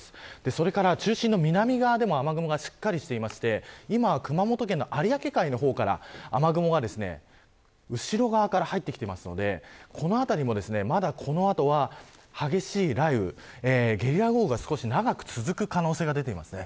それから中心の南側でも雨雲はしっかりしていて熊本県の有明海の方から雨雲が後ろ側から入ってきていてこの辺りもまだこの後は、激しい雷雨ゲリラ豪雨が少し長く続く可能性が出ています。